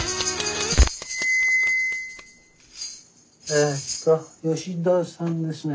ええと吉田さんですね。